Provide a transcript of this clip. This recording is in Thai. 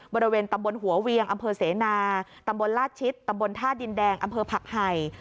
บริเวณตำบลหัวเวียงอำเภอเสนาตำบลลาดชิดตำบลท่าดินแดงอำเภอผักไห่